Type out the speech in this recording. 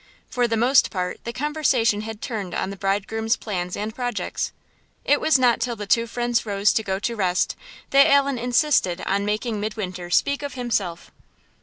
For the most part the conversation had turned on the bridegroom's plans and projects. It was not till the two friends rose to go to rest that Allan insisted on making Midwinter speak of himself.